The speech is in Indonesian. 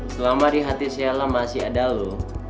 selama di hati sheila masih ada lu